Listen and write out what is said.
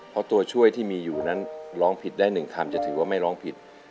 เพราะตัวช่วยที่มีอยู่นั้นร้องผิดได้๑คำจะถือว่าไม่ร้องผิด